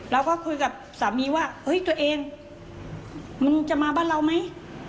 เราก็คุยกับสามีว่าเฮ้ยตัวเองมึงจะมาบ้านเราไหม